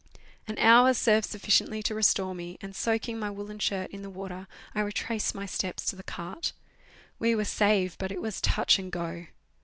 An hour served sufficiently to restore me, and, soaking my woollen shirt in the water, I retraced my steps to the cart. We were saved, but it was touch and go.